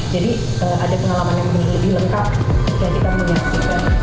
jadi ada pengalaman yang lebih lengkap yang kita menyaksikan